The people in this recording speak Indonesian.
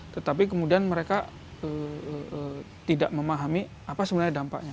tetapi kemudian mereka tidak memahami apa sebenarnya dampaknya